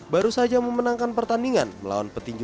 baru saja memenangkan pertandingan melawan petinju